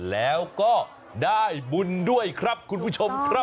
แล้วก็ได้บุญด้วยครับคุณผู้ชมครับ